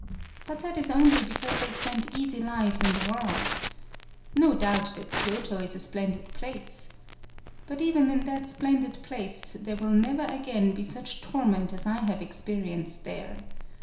But that is only because they spent easy lives in the world. No doubt that Ky oto is a splendid place. But even in that splendid place there will never again be such torment as I have experi enced there.